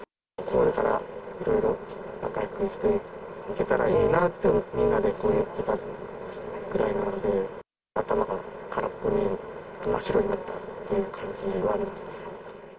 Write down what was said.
これからいろいろ仲よくしていけたらいいなと、みんなで言っていたくらいなので、頭が空っぽに真っ白になったという感じはありますね。